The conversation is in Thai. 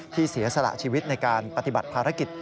เสียสละชีวิตในการปฏิบัติภารกิจ